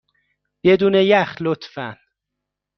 بدون یخ، لطفا.